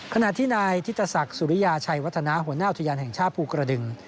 ขณะที่นายธิตศักดิ์สุริยาชัยวัฒนาหัวหน้าอุทยานแห่งชาติภูกระดึง